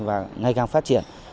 và ngày càng phát triển